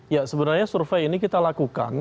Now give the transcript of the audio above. ya sebenarnya survei ini kita lakukan